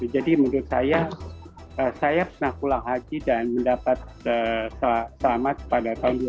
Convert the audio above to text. jadi menurut saya saya pernah pulang haji dan mendapat selamat pada tahun dua ribu tiga